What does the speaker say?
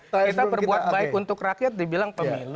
kita berbuat baik untuk rakyat dibilang pemilu